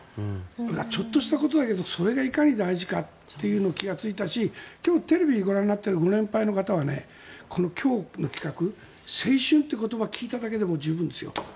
ちょっとしたことだけどそれがいかに大事かっていうのに気がついたし今日、テレビ、ご覧になってるご年配の方は今日の企画青春って言葉を聞いただけで十分ですよ。